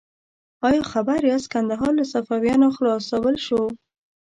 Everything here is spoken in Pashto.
ایا خبر یاست کندهار له صفویانو خلاصول شو؟